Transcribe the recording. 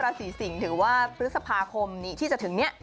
ราศีสิงศ์ถือว่าพฤษภาคมนี้ที่จะถึงนี้